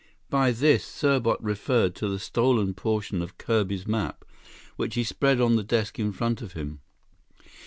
By "this" Serbot referred to the stolen portion of Kirby's map, which he spread on the desk in front of him.